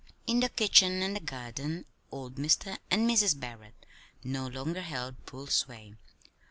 In the kitchen and the garden old Mr. and Mrs. Barrett no longer held full sway.